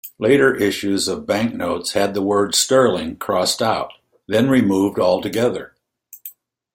Later issues of banknotes had the word "sterling" crossed out, then removed altogether.